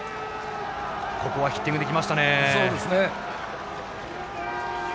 ここはヒッティングできましたね。